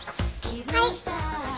はい。